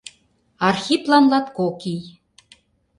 Архиплан латкок ий.